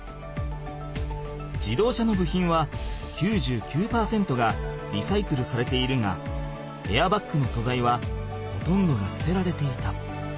自動車の部品は９９％がリサイクルされているがエアバッグのそざいはほとんどが捨てられていた。